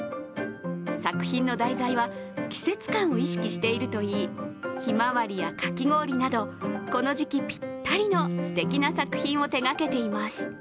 作品の題材は、季節感を意識しているといい、ひまわりやかき氷など、この時期ぴったりのすてきな作品を手がけています。